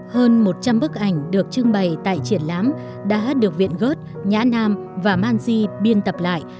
hơn một trăm linh bức ảnh được trưng bày tại triển lãm đã được viện gớt nhã nam và manji biên tập lại